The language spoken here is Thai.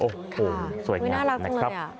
โอ้โหสวยงามนะครับ